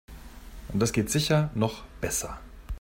Das geht sicher noch besser.